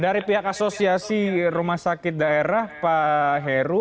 dari pihak asosiasi rumah sakit daerah pak heru